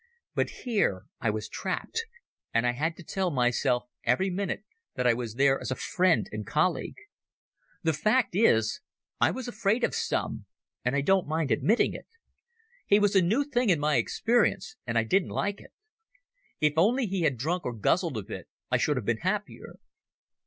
But here I was trapped, and I had to tell myself every minute that I was there as a friend and colleague. The fact is, I was afraid of Stumm, and I don't mind admitting it. He was a new thing in my experience and I didn't like it. If only he had drunk and guzzled a bit I should have been happier.